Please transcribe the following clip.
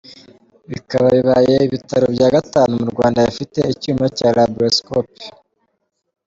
bikaba bibaye ibitaro bya gatanu mu Rwanda bifite icyuma cya Laparoscopy.